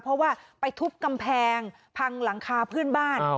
เพราะว่าไปทุบกำแพงพังหลังคาเพื่อนบ้าน